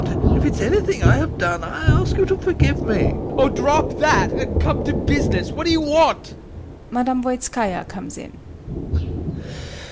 If it is anything I have done, I ask you to forgive me. VOITSKI. Oh, drop that and come to business; what do you want? MME. VOITSKAYA comes in.